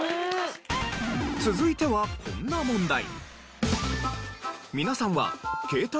続いてはこんな問題。